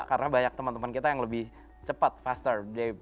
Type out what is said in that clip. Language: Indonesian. karena banyak teman teman kita yang lebih cepat faster